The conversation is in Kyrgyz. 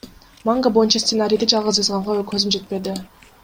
Манга боюнча сценарийди жалгыз жазганга көзүм жетпеди.